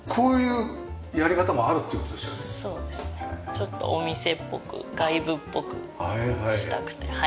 ちょっとお店っぽく外部っぽくしたくて。